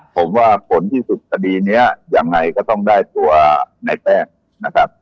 ผมว่าผลที่สุดคดีนี้ยังไงก็ต้องได้ตัวในแต้มนะครับ